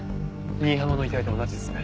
新浜の遺体と同じですね。